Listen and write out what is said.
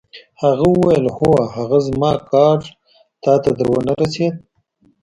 هغه وویل: هو، هغه زما کارډ تا ته در ونه رسید؟